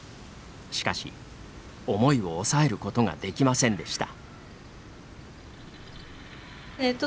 しかし、思いを抑えることができませんでした。